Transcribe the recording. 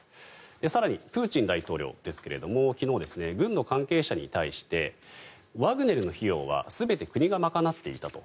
更に、プーチン大統領ですが昨日軍の関係者に対してワグネルの費用は全て国が賄っていたと。